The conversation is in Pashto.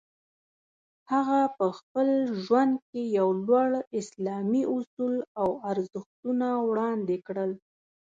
هغه په خپل ژوند کې یو لوړ اسلامي اصول او ارزښتونه وړاندې کړل.